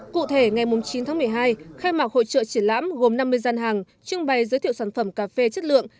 cụ thể ngày chín tháng một mươi hai khai mạc hội trợ triển lãm gồm năm mươi gian hàng trưng bày giới thiệu sản phẩm cà phê chất lượng